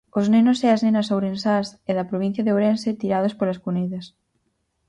Os nenos e as nenas ourensás, e da provincia de Ourense; tirados polas cunetas.